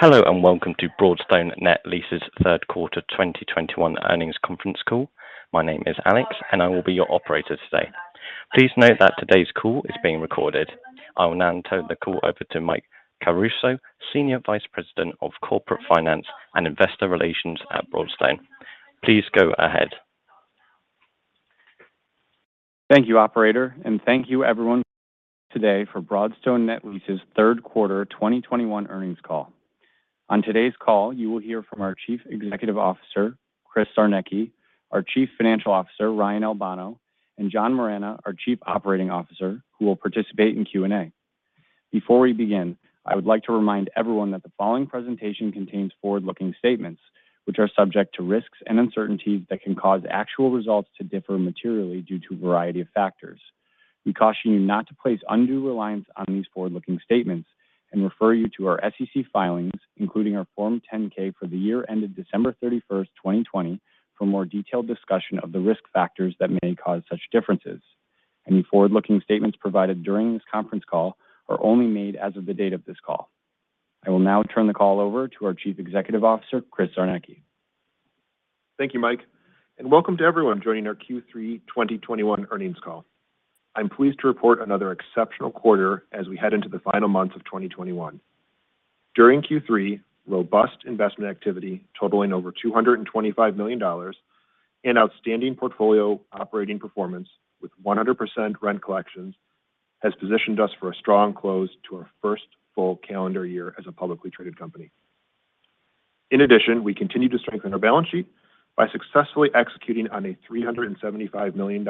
Hello, and Welcome to Broadstone Net Lease's Third Quarter 2021 Earnings Conference Call. My name is Alex, and I will be your operator today. Please note that today's call is being recorded. I will now turn the call over to Mike Caruso, Senior Vice President of Corporate Finance and Investor Relations at Broadstone. Please go ahead. Thank you, operator, and thank you everyone today for Broadstone Net Lease's Q3 2021 earnings call. On today's call, you will hear from our Chief Executive Officer, Chris Czarnecki, our Chief Financial Officer, Ryan Albano, and John Moragne, our Chief Operating Officer, who will participate in Q and A. Before we begin, I would like to remind everyone that the following presentation contains forward-looking statements, which are subject to risks and uncertainties that can cause actual results to differ materially due to a variety of factors. We caution you not to place undue reliance on these forward-looking statements and refer you to our SEC filings, including our Form 10-K for the year ended December 31, 2020, for more detailed discussion of the risk factors that may cause such differences. Any forward-looking statements provided during this conference call are only made as of the date of this call. I will now turn the call over to our Chief Executive Officer, Chris Czarnecki. Thank you, Mike, and welcome to everyone joining our Q3 2021 Earnings Call. I'm pleased to report another exceptional quarter as we head into the final months of 2021. During Q3, robust investment activity totaling over $225 million and outstanding portfolio operating performance with 100% rent collections has positioned us for a strong close to our first full calendar year as a publicly traded company. In addition, we continue to strengthen our balance sheet by successfully executing on a $375 million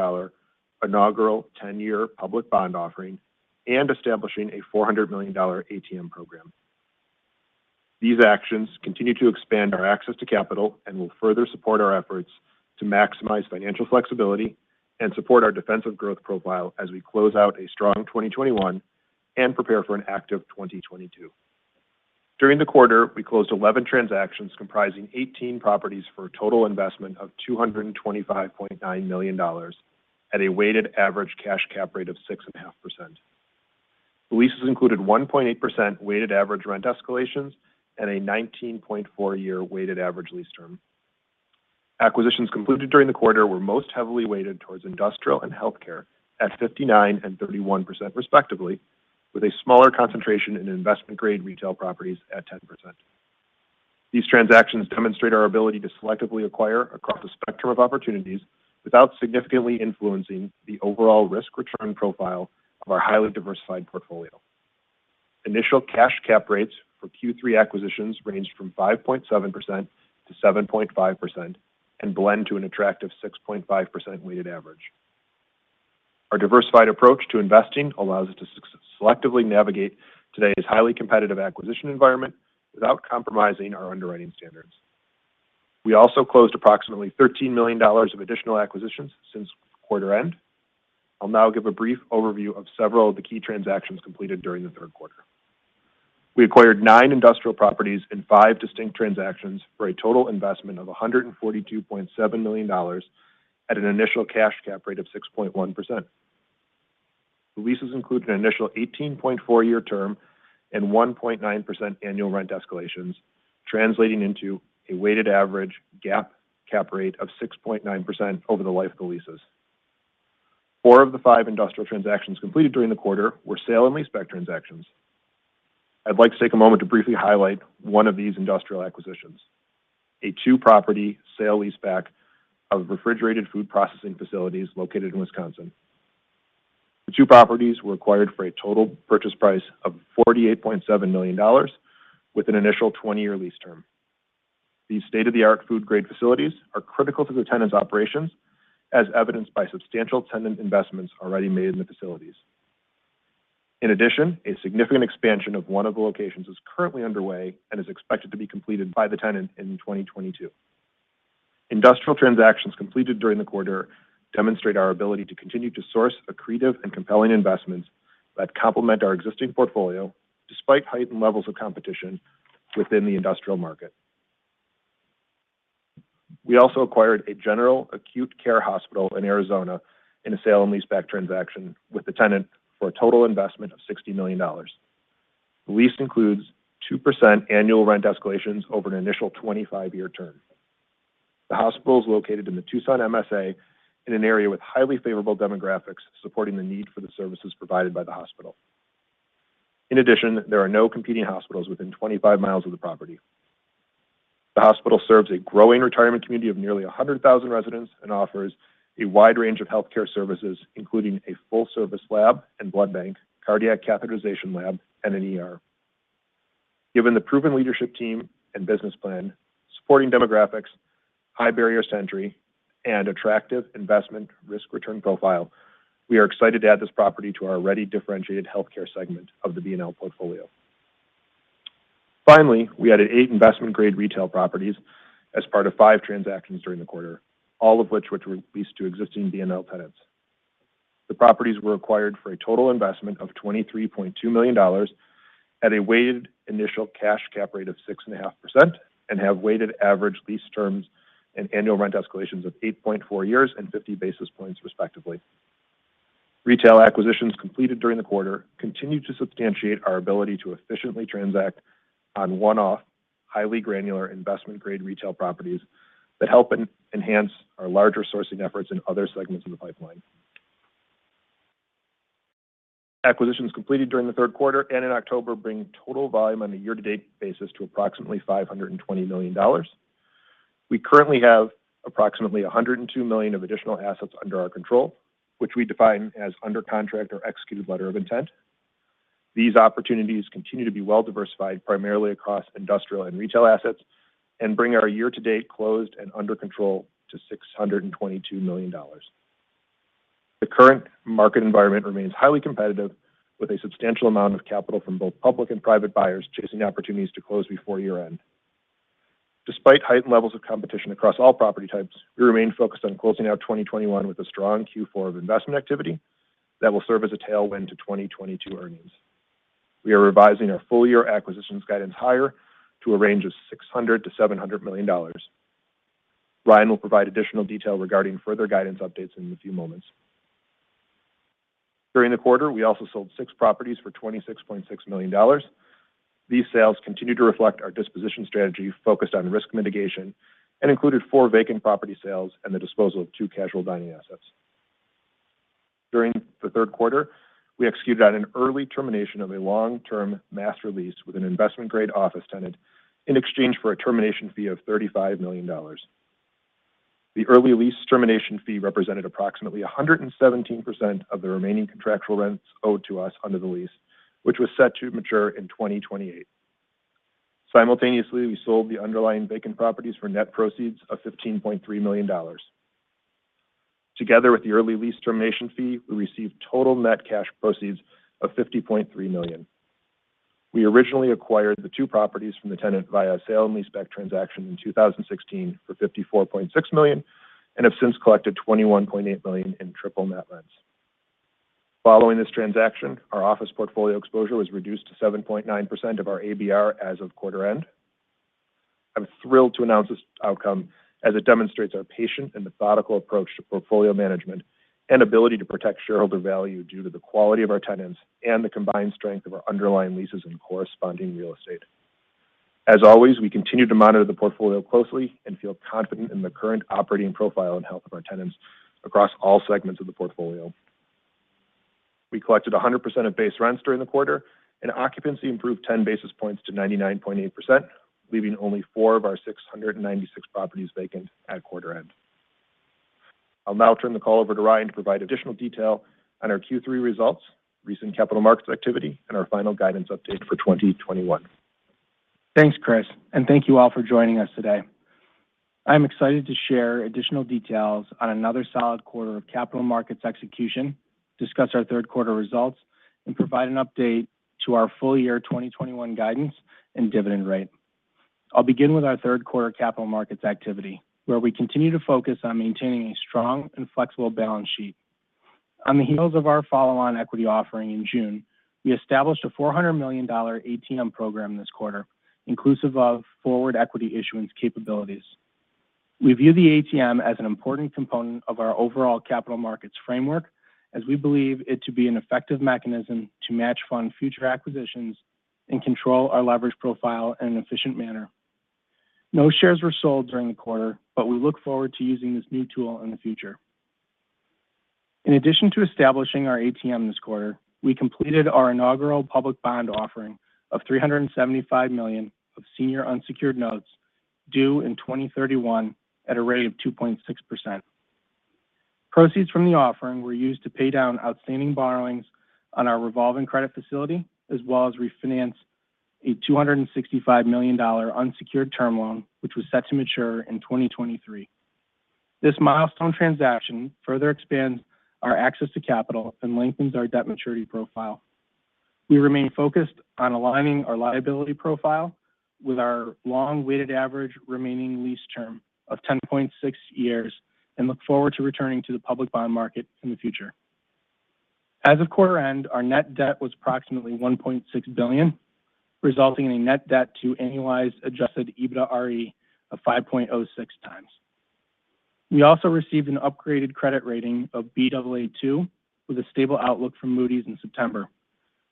inaugural ten-year public bond offering and establishing a $400 million ATM program. These actions continue to expand our access to capital and will further support our efforts to maximize financial flexibility and support our defensive growth profile as we close out a strong 2021 and prepare for an active 2022. During the quarter, we closed 11 transactions comprising 18 properties for a total investment of $225.9 million at a weighted average cash cap rate of 6.5%. The leases included 1.8% weighted average rent escalations and a 19.4-year weighted average lease term. Acquisitions concluded during the quarter were most heavily weighted towards industrial and healthcare at 59% and 31% respectively, with a smaller concentration in investment grade retail properties at 10%. These transactions demonstrate our ability to selectively acquire across a spectrum of opportunities without significantly influencing the overall risk return profile of our highly diversified portfolio. Initial cash cap rates for Q3 acquisitions ranged from 5.7% to 7.5% and blend to an attractive 6.5% weighted average. Our diversified approach to investing allows us to selectively navigate today's highly competitive acquisition environment without compromising our underwriting standards. We also closed approximately $13 million of additional acquisitions since quarter end. I'll now give a brief overview of several of the key transactions completed during the third quarter. We acquired nine industrial properties in five distinct transactions for a total investment of $142.7 million at an initial cash cap rate of 6.1%. The leases include an initial 18.4-year term and 1.9% annual rent escalations, translating into a weighted average GAAP cap rate of 6.9% over the life of the leases. Four of the five industrial transactions completed during the quarter were sale and leaseback transactions. I'd like to take a moment to briefly highlight one of these industrial acquisitions, a two-property sale leaseback of refrigerated food processing facilities located in Wisconsin. The two properties were acquired for a total purchase price of $48.7 million with an initial 20-year lease term. These state-of-the-art food-grade facilities are critical to the tenant's operations as evidenced by substantial tenant investments already made in the facilities. In addition, a significant expansion of one of the locations is currently underway and is expected to be completed by the tenant in 2022. Industrial transactions completed during the quarter demonstrate our ability to continue to source accretive and compelling investments that complement our existing portfolio despite heightened levels of competition within the industrial market. We also acquired a general acute care hospital in Arizona in a sale and leaseback transaction with the tenant for a total investment of $60 million. The lease includes 2% annual rent escalations over an initial 25-year term. The hospital is located in the Tucson MSA in an area with highly favorable demographics supporting the need for the services provided by the hospital. In addition, there are no competing hospitals within 25 miles of the property. The hospital serves a growing retirement community of nearly 100,000 residents and offers a wide range of healthcare services, including a full service lab and blood bank, cardiac catheterization lab, and an ER. Given the proven leadership team and business plan, supporting demographics, high barriers to entry, and attractive investment risk return profile, we are excited to add this property to our already differentiated healthcare segment of the BNL portfolio. Finally, we added eight investment grade retail properties as part of five transactions during the quarter, all of which were to lease to existing BNL tenants. The properties were acquired for a total investment of $23.2 million at a weighted initial cash cap rate of 6.5% and have weighted average lease terms and annual rent escalations of 8.4 years and 50 basis points respectively. Retail acquisitions completed during the quarter continued to substantiate our ability to efficiently transact on one-off, highly granular investment grade retail properties that help enhance our larger sourcing efforts in other segments of the pipeline. Acquisitions completed during the third quarter and in October bring total volume on a year-to-date basis to approximately $520 million. We currently have approximately $102 million of additional assets under our control, which we define as under contract or executed letter of intent. These opportunities continue to be well diversified, primarily across industrial and retail assets, and bring our year-to-date closed and under control to $622 million. The current market environment remains highly competitive with a substantial amount of capital from both public and private buyers chasing opportunities to close before year-end. Despite heightened levels of competition across all property types, we remain focused on closing out 2021 with a strong Q4 of investment activity that will serve as a tailwind to 2022 earnings. We are revising our full-year acquisitions guidance higher to a range of $600 million-$700 million. Ryan will provide additional detail regarding further guidance updates in a few moments. During the quarter, we also sold six properties for $26.6 million. These sales continue to reflect our disposition strategy focused on risk mitigation and included four vacant property sales and the disposal of two casual dining assets. During the third quarter, we executed on an early termination of a long-term master lease with an investment-grade office tenant in exchange for a termination fee of $35 million. The early lease termination fee represented approximately 117% of the remaining contractual rents owed to us under the lease, which was set to mature in 2028. Simultaneously, we sold the underlying vacant properties for net proceeds of $15.3 million. Together with the early lease termination fee, we received total net cash proceeds of $50.3 million. We originally acquired the two properties from the tenant via sale and leaseback transaction in 2016 for $54.6 million, and have since collected $21.8 million in triple net rents. Following this transaction, our office portfolio exposure was reduced to 7.9% of our ABR as of quarter end. I'm thrilled to announce this outcome as it demonstrates our patient and methodical approach to portfolio management and ability to protect shareholder value due to the quality of our tenants and the combined strength of our underlying leases and corresponding real estate. As always, we continue to monitor the portfolio closely and feel confident in the current operating profile and health of our tenants across all segments of the portfolio. We collected 100% of base rents during the quarter, and occupancy improved 10 basis points to 99.8%, leaving only four of our 696 properties vacant at quarter end. I'll now turn the call over to Ryan to provide additional detail on our Q3 results, recent capital markets activity, and our final guidance update for 2021. Thanks, Chris, and thank you all for joining us today. I'm excited to share additional details on another solid quarter of capital markets execution, discuss our third quarter results, and provide an update to our full year 2021 guidance and dividend rate. I'll begin with our third quarter capital markets activity, where we continue to focus on maintaining a strong and flexible balance sheet. On the heels of our follow-on equity offering in June, we established a $400 million ATM program this quarter, inclusive of forward equity issuance capabilities. We view the ATM as an important component of our overall capital markets framework as we believe it to be an effective mechanism to match fund future acquisitions and control our leverage profile in an efficient manner. No shares were sold during the quarter, but we look forward to using this new tool in the future. In addition to establishing our ATM this quarter, we completed our inaugural public bond offering of $375 million of senior unsecured notes due in 2031 at a rate of 2.6%. Proceeds from the offering were used to pay down outstanding borrowings on our revolving credit facility, as well as refinance a $265 million unsecured term loan, which was set to mature in 2023. This milestone transaction further expands our access to capital and lengthens our debt maturity profile. We remain focused on aligning our liability profile with our long weighted average remaining lease term of 10.6 years and look forward to returning to the public bond market in the future. As of quarter end, our net debt was approximately $1.6 billion, resulting in a net debt to annualized adjusted EBITDA RE of 5.06 times. We also received an upgraded credit rating of BAA2 with a stable outlook from Moody's in September,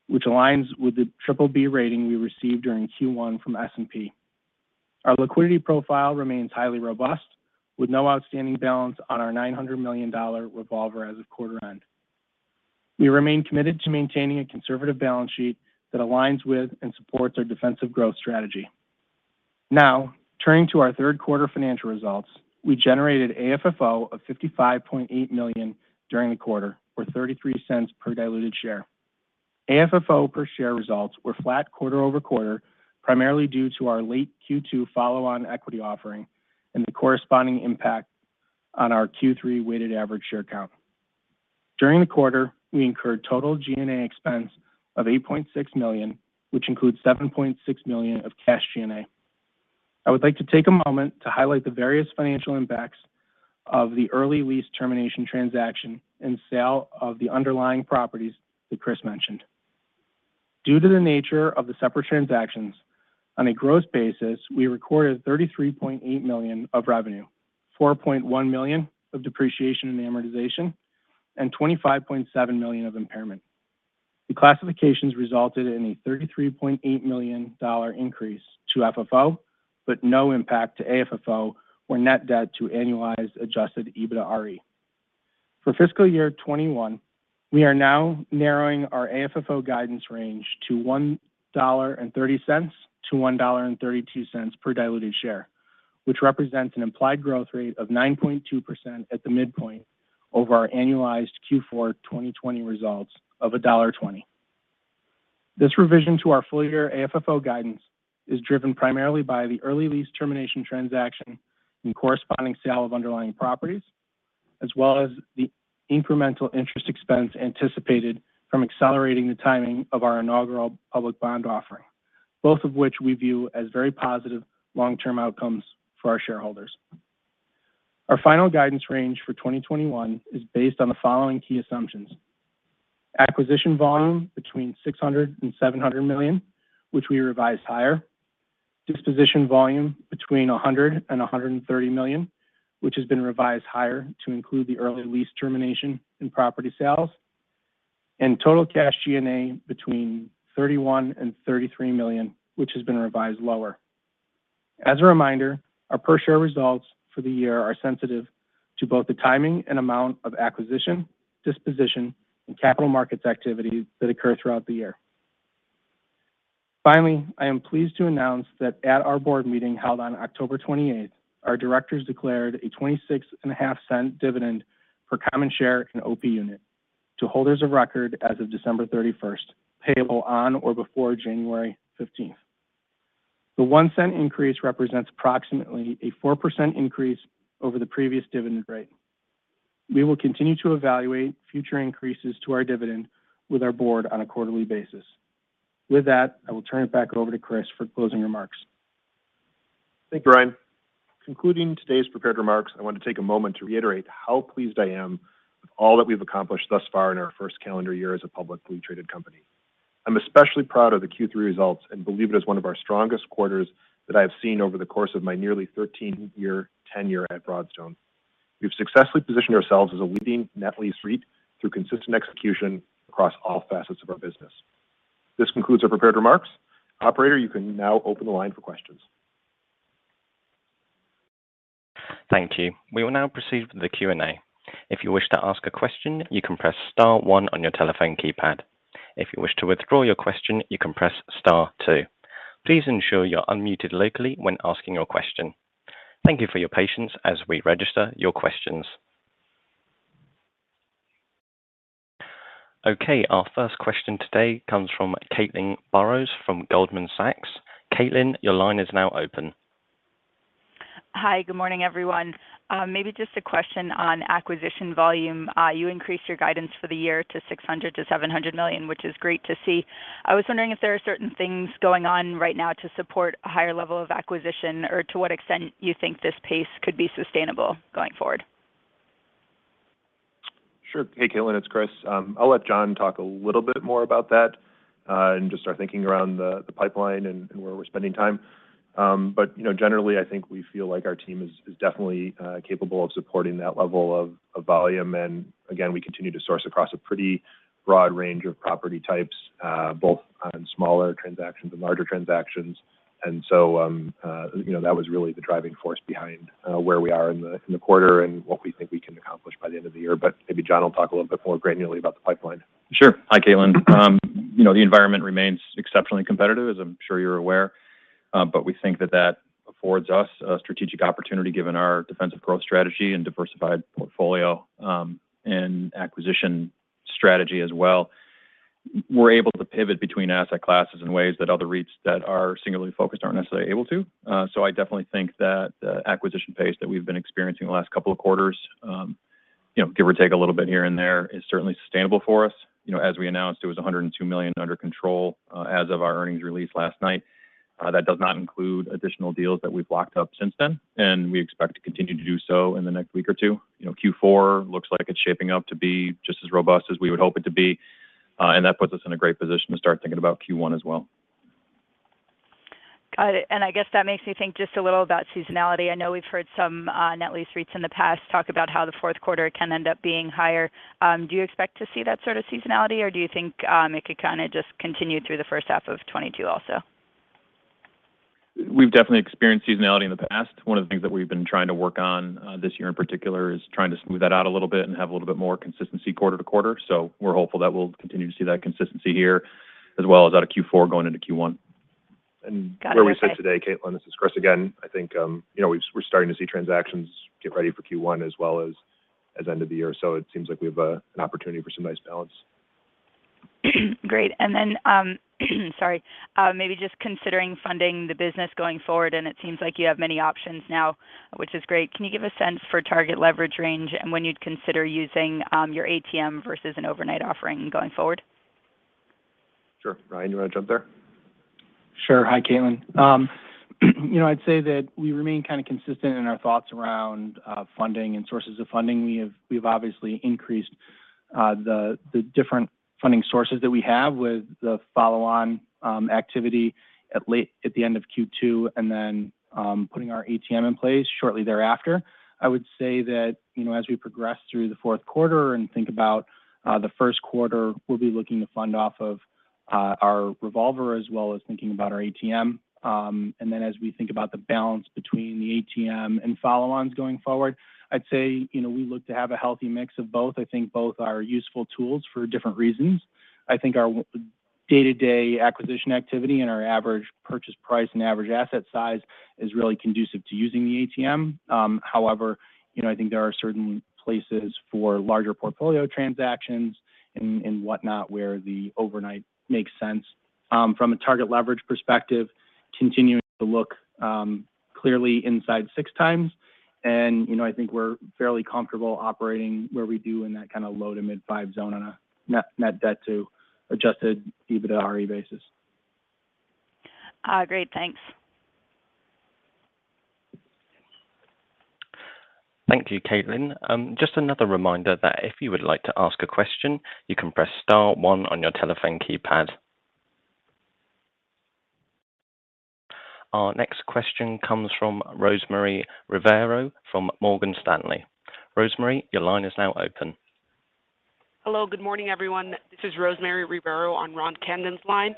which aligns with the triple-B rating we received during Q1 from S&P. Our liquidity profile remains highly robust, with no outstanding balance on our $900 million revolver as of quarter end. We remain committed to maintaining a conservative balance sheet that aligns with and supports our defensive growth strategy. Now, turning to our third quarter financial results. We generated AFFO of $55.8 million during the quarter, or $0.33 per diluted share. AFFO per share results were flat quarter-over-quarter, primarily due to our late Q2 follow-on equity offering and the corresponding impact on our Q3 weighted average share count. During the quarter, we incurred total G&A expense of $8.6 million, which includes $7.6 million of cash G&A. I would like to take a moment to highlight the various financial impacts of the early lease termination transaction and sale of the underlying properties that Chris mentioned. Due to the nature of the separate transactions, on a gross basis, we recorded $33.8 million of revenue, $4.1 million of depreciation and amortization, and $25.7 million of impairment. The classifications resulted in a $33.8 million increase to FFO, but no impact to AFFO or net debt to annualized adjusted EBITDA RE. For fiscal year 2021, we are now narrowing our AFFO guidance range to $1.30 to $1.32 per diluted share, which represents an implied growth rate of 9.2% at the midpoint over our annualized Q4 2020 results of $1.20. This revision to our full year AFFO guidance is driven primarily by the early lease termination transaction and corresponding sale of underlying properties, as well as the incremental interest expense anticipated from accelerating the timing of our inaugural public bond offering, both of which we view as very positive long-term outcomes for our shareholders. Our final guidance range for 2021 is based on the following key assumptions. Acquisition volume between $600 million to $700 million, which we revised higher. Disposition volume between $100 million and $130 million, which has been revised higher to include the early lease termination and property sales. Total cash G&A between $31 million and $33 million, which has been revised lower. As a reminder, our per share results for the year are sensitive to both the timing and amount of acquisition, disposition, and capital markets activity that occur throughout the year. Finally, I am pleased to announce that at our board meeting held on October 28th, our directors declared a $0.265 dividend per common share and OP unit to holders of record as of December 31st, payable on or before January 15th. The one cent increase represents approximately a 4% increase over the previous dividend rate. We will continue to evaluate future increases to our dividend with our board on a quarterly basis. With that, I will turn it back over to Chris for closing remarks. Thank you, Ryan. Concluding today's prepared remarks, I want to take a moment to reiterate how pleased I am with all that we've accomplished thus far in our first calendar year as a publicly traded company. I'm especially proud of the Q3 results, and believe it is one of our strongest quarters that I have seen over the course of my nearly 13-year tenure at Broadstone. We've successfully positioned ourselves as a leading net lease REIT through consistent execution across all facets of our business. This concludes our prepared remarks. Operator, you can now open the line for questions. Thank you. We will now proceed with the Q and A. If you wish to ask a question, you can press star one on your telephone keypad. If you wish to withdraw your question, you can press star two. Please ensure you're unmuted locally when asking your question. Thank you for your patience as we register your questions. Okay. Our first question today comes from Caitlin Burrows from Goldman Sachs. Caitlin, your line is now open. Hi. Good morning, everyone. Maybe just a question on acquisition volume. You increased your guidance for the year to $600 million to $700 million, which is great to see. I was wondering if there are certain things going on right now to support a higher level of acquisition, or to what extent you think this pace could be sustainable going forward. Sure. Hey, Caitlin, it's Chris. I'll let John talk a little bit more about that, and just our thinking around the pipeline and where we're spending time. You know, generally, I think we feel like our team is definitely capable of supporting that level of volume. Again, we continue to source across a pretty broad range of property types, both on smaller transactions and larger transactions. You know, that was really the driving force behind where we are in the quarter and what we think we can accomplish by the end of the year. Maybe John will talk a little bit more granularly about the pipeline. Sure. Hi, Caitlin. You know, the environment remains exceptionally competitive, as I'm sure you're aware. We think that affords us a strategic opportunity given our defensive growth strategy and diversified portfolio, and acquisition strategy as well. We're able to pivot between asset classes in ways that other REITs that are singularly focused aren't necessarily able to. I definitely think that acquisition pace that we've been experiencing the last couple of quarters, you know, give or take a little bit here and there, is certainly sustainable for us. You know, as we announced, it was $102 million under control, as of our earnings release last night. That does not include additional deals that we've locked up since then, and we expect to continue to do so in the next week or two. You know, Q4 looks like it's shaping up to be just as robust as we would hope it to be, and that puts us in a great position to start thinking about Q1 as well. Got it. I guess that makes me think just a little about seasonality. I know we've heard some net lease REITs in the past talk about how the fourth quarter can end up being higher. Do you expect to see that sort of seasonality, or do you think it could kind of just continue through the first half of 2022 also? We've definitely experienced seasonality in the past. One of the things that we've been trying to work on this year in particular is trying to smooth that out a little bit and have a little bit more consistency quarter to quarter. We're hopeful that we'll continue to see that consistency here as well as out of Q4 going into Q1. Got it. Okay. Where we sit today, Caitlin, this is Chris again. I think, you know, we're starting to see transactions get ready for Q1 as well as end of the year. It seems like we have an opportunity for some nice balance. Great. Sorry. Maybe just considering funding the business going forward, and it seems like you have many options now, which is great. Can you give a sense for target leverage range and when you'd consider using your ATM versus an overnight offering going forward? Sure. Ryan, you wanna jump there? Sure. Hi, Caitlin. You know, I'd say that we remain kind of consistent in our thoughts around funding and sources of funding. We've obviously increased the different funding sources that we have with the follow-on activity at the end of Q2, and then putting our ATM in place shortly thereafter. I would say that, you know, as we progress through the fourth quarter and think about the first quarter, we'll be looking to fund off of our revolver as well as thinking about our ATM. As we think about the balance between the ATM and follow-ons going forward, I'd say, you know, we look to have a healthy mix of both. I think both are useful tools for different reasons. I think our day-to-day acquisition activity and our average purchase price and average asset size is really conducive to using the ATM. However, you know, I think there are certain places for larger portfolio transactions and whatnot, where the overnight makes sense. From a target leverage perspective, continuing to look clearly inside six times. You know, I think we're fairly comfortable operating where we do in that kinda low to mid five zone on a net debt to adjusted EBITDA RE basis. Great. Thanks. Thank you, Caitlin. Just another reminder that if you would like to ask a question, you can press star one on your telephone keypad. Our next question comes from Rosemary Rivero from Morgan Stanley. Rosemary, your line is now open. Hello. Good morning, everyone. This is Rosemary Rivero on Ron Kamdem's line.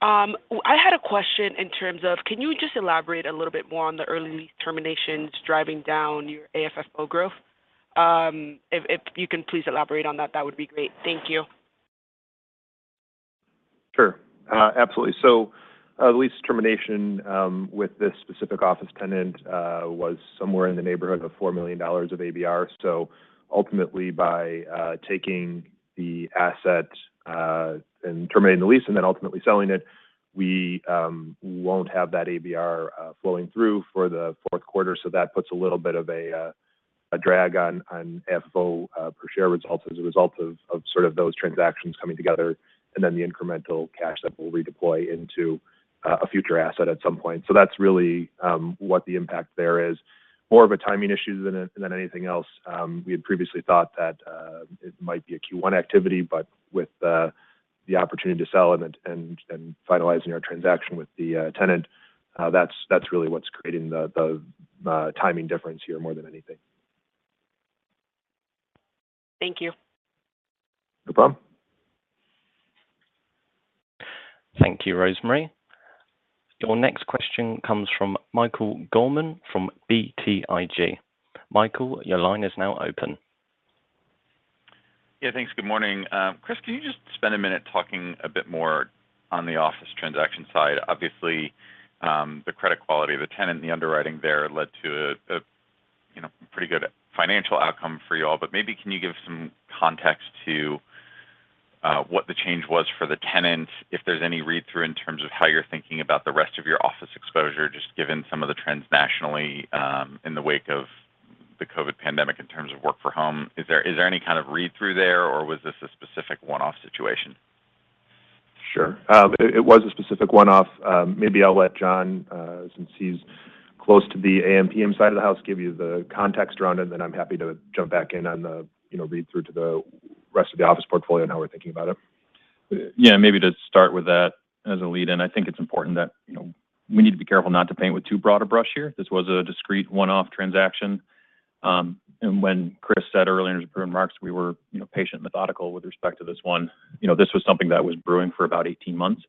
I had a question in terms of can you just elaborate a little bit more on the early lease terminations driving down your AFFO growth? If you can please elaborate on that would be great. Thank you. Sure. Absolutely. The lease termination with this specific office tenant was somewhere in the neighborhood of $4 million of ABR. Ultimately by taking the asset and terminating the lease and then ultimately selling it, we won't have that ABR flowing through for the fourth quarter, so that puts a little bit of a drag on FFO per share results as a result of sort of those transactions coming together and then the incremental cash that we'll redeploy into a future asset at some point. That's really what the impact there is. More of a timing issue than anything else. We had previously thought that it might be a Q1 activity, but with the opportunity to sell and then finalizing our transaction with the tenant, that's really what's creating the timing difference here more than anything. Thank you. No problem. Thank you, Rosemary. Your next question comes from Michael Gorman from BTIG. Michael, your line is now open. Yeah, thanks. Good morning. Chris, can you just spend a minute talking a bit more on the office transaction side? Obviously, the credit quality of the tenant and the underwriting there led to a you know, pretty good financial outcome for you all, but maybe can you give some context to what the change was for the tenant, if there's any read-through in terms of how you're thinking about the rest of your office exposure, just given some of the trends nationally, in the wake of the COVID pandemic in terms of work from home? Is there any kind of read-through there, or was this a specific one-off situation? Sure. It was a specific one-off. Maybe I'll let John, since he's close to the AM-PM side of the house, give you the context around it, then I'm happy to jump back in on the, you know, read-through to the rest of the office portfolio and how we're thinking about it. Yeah. Maybe to start with that as a lead-in, I think it's important that, you know, we need to be careful not to paint with too broad a brush here. This was a discrete one-off transaction. And when Chris said earlier in his remarks we were, you know, patient and methodical with respect to this one, you know, this was something that was brewing for about 18 months.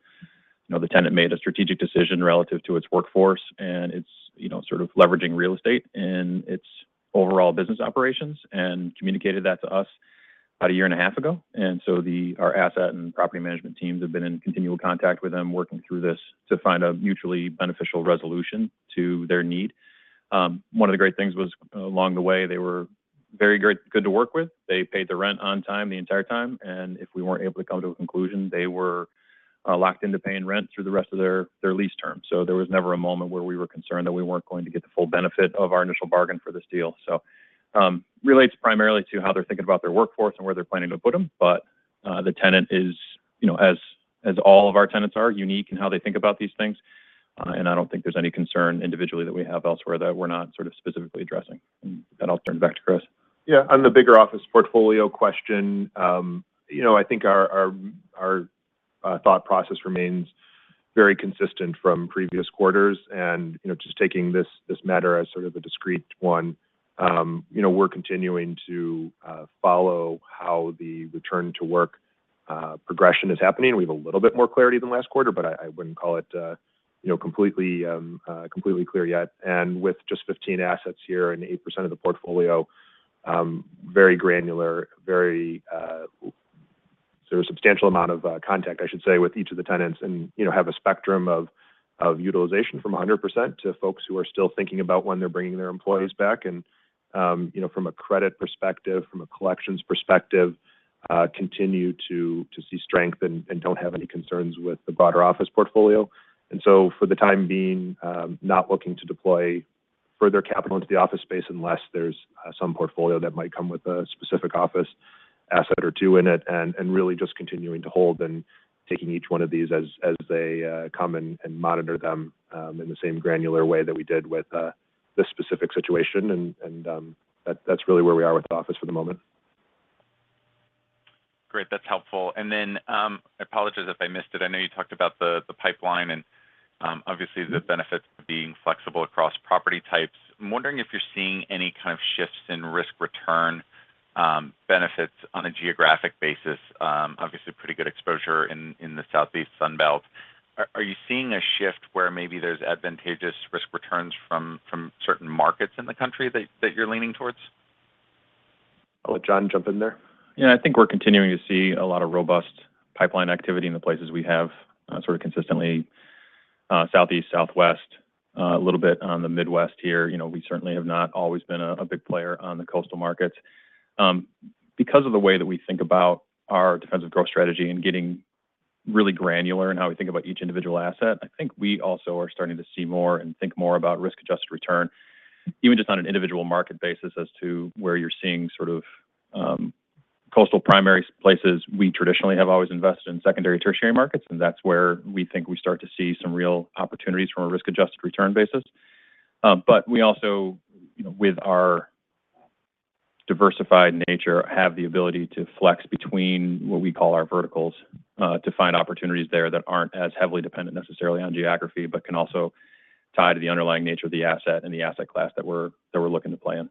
You know, the tenant made a strategic decision relative to its workforce and it's, you know, sort of leveraging real estate in its overall business operations and communicated that to us about a year and a half ago. Our asset and property management teams have been in continual contact with them working through this to find a mutually beneficial resolution to their need. One of the great things was along the way, they were very good to work with. They paid the rent on time the entire time, and if we weren't able to come to a conclusion, they were locked into paying rent through the rest of their lease term. There was never a moment where we were concerned that we weren't going to get the full benefit of our initial bargain for this deal. It relates primarily to how they're thinking about their workforce and where they're planning to put them, but the tenant is, you know, as all of our tenants are, unique in how they think about these things. I don't think there's any concern individually that we have elsewhere that we're not sort of specifically addressing. I'll turn it back to Chris. Yeah. On the bigger office portfolio question, you know, I think our thought process remains very consistent from previous quarters and, you know, just taking this matter as sort of a discrete one. You know, we're continuing to follow how the return to work progression is happening. We have a little bit more clarity than last quarter, but I wouldn't call it, you know, completely clear yet. With just 15 assets here and 8% of the portfolio, very granular with a substantial amount of contact, I should say, with each of the tenants and, you know, have a spectrum of utilization from 100% to folks who are still thinking about when they're bringing their employees back. You know, from a credit perspective, from a collections perspective, continue to see strength and don't have any concerns with the broader office portfolio. For the time being, not looking to deploy further capital into the office space, unless there's some portfolio that might come with a specific office asset or two in it, and really just continuing to hold and taking each one of these as they come and monitor them in the same granular way that we did with this specific situation. That's really where we are with the office for the moment. Great. That's helpful. I apologize if I missed it. I know you talked about the pipeline and obviously the benefits of being flexible across property types. I'm wondering if you're seeing any kind of shifts in risk return benefits on a geographic basis, obviously pretty good exposure in the Southeast Sun Belt. Are you seeing a shift where maybe there's advantageous risk returns from certain markets in the country that you're leaning towards? I'll let John jump in there. Yeah, I think we're continuing to see a lot of robust pipeline activity in the places we have, sort of consistently, southeast, southwest, a little bit on the Midwest here. You know, we certainly have not always been a big player on the coastal markets. Because of the way that we think about our defensive growth strategy and getting really granular in how we think about each individual asset, I think we also are starting to see more and think more about risk-adjusted return, even just on an individual market basis as to where you're seeing sort of, coastal primary places. We traditionally have always invested in secondary, tertiary markets, and that's where we think we start to see some real opportunities from a risk-adjusted return basis. We also, you know, with our diversified nature, have the ability to flex between what we call our verticals, to find opportunities there that aren't as heavily dependent necessarily on geography, but can also tie to the underlying nature of the asset and the asset class that we're looking to play in.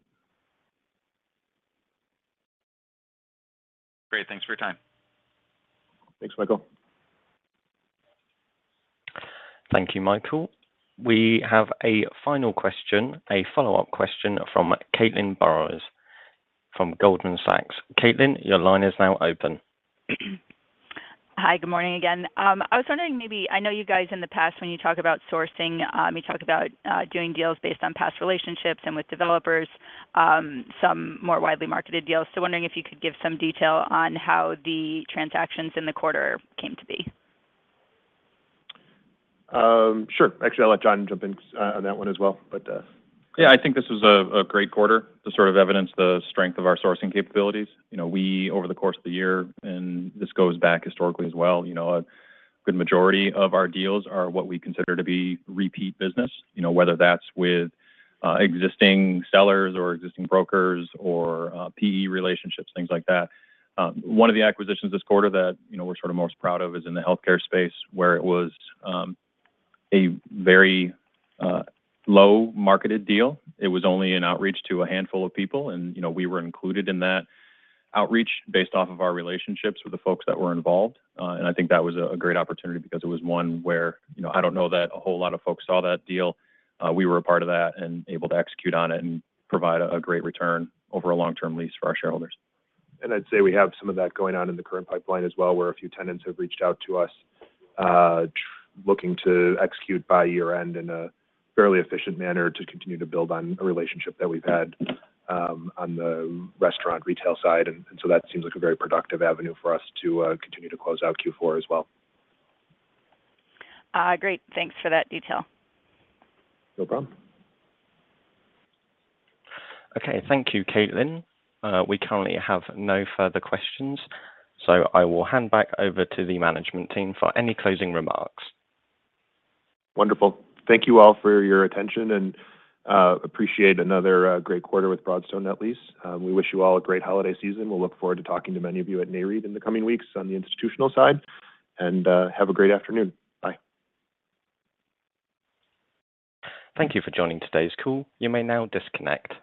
Great. Thanks for your time. Thanks, Michael. Thank you, Michael. We have a final question, a follow-up question from Caitlin Burrows from Goldman Sachs. Caitlin, your line is now open. Hi. Good morning again. I was wondering, maybe I know you guys in the past when you talk about sourcing, you talked about doing deals based on past relationships and with developers, some more widely marketed deals. Wondering if you could give some detail on how the transactions in the quarter came to be. Sure. Actually, I'll let John jump in on that one as well. Yeah, I think this was a great quarter to sort of evidence the strength of our sourcing capabilities. You know, we over the course of the year, and this goes back historically as well, you know, a good majority of our deals are what we consider to be repeat business, you know, whether that's with existing sellers or existing brokers or PE relationships, things like that. One of the acquisitions this quarter that, you know, we're sort of most proud of is in the healthcare space where it was a very low marketed deal. It was only an outreach to a handful of people and, you know, we were included in that outreach based off of our relationships with the folks that were involved. I think that was a great opportunity because it was one where, you know, I don't know that a whole lot of folks saw that deal. We were a part of that and able to execute on it and provide a great return over a long-term lease for our shareholders. I'd say we have some of that going on in the current pipeline as well, where a few tenants have reached out to us, looking to execute by year-end in a fairly efficient manner to continue to build on a relationship that we've had, on the restaurant retail side. That seems like a very productive avenue for us to continue to close out Q4 as well. Great. Thanks for that detail. No problem. Okay. Thank you, Caitlin. We currently have no further questions, so I will hand back over to the management team for any closing remarks. Wonderful. Thank you all for your attention and appreciate another great quarter with Broadstone Net Lease. We wish you all a great holiday season. We'll look forward to talking to many of you at NAREIT in the coming weeks on the institutional side. Have a great afternoon. Bye. Thank you for joining today's call. You may now disconnect.